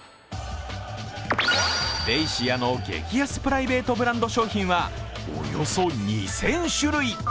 ベイシアの激安プライベートブランド商品はおよそ２０００種類。